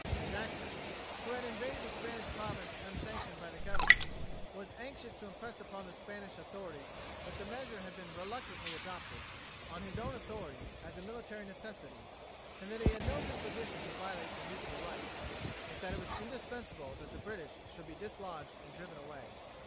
Jackson, who had invaded the Spanish province unsanctioned by the Government, was anxious to impress upon the Spanish authorities that the measure had been reluctantly adopted, on his own authority, as a military necessity; that he had no disposition to violate their neutral rights; but that it was indispensable that the British should be dislodged and driven away.